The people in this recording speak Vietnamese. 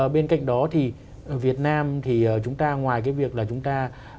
bên cạnh đó thì việt nam thì chúng ta ngoài cái việc là chúng ta